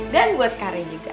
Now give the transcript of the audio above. dan buat kary juga